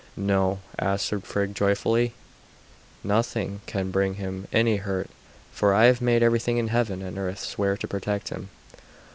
"No," answered Frigg joyfully; "nothing can bring him any hurt, for I have made everything in heaven and earth swear to protect him."